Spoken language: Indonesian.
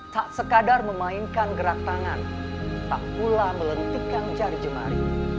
tak sekadar memainkan gerak tangan tak pula melentikan jari jemari